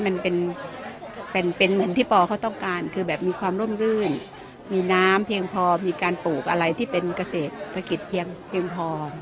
ก็จะพัฒนาไปเรื่อยให้มันเป็นเหมือนที่พ่อเขาต้องการคือแบบมีความร่วมรื่นมีน้ำเพียงพอมีการปลูกอะไรที่เป็นเกษตรเกษตรกิจเพียงพอ